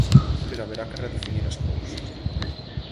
Pero haberá que redefinir as cousas.